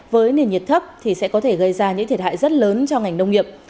với nền nhiệt thấp thì sẽ có thể gây ra những thiệt hại rất lớn cho ngành nông nghiệp